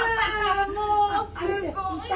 もうすごい！